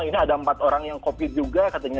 ini ada empat orang yang covid juga katanya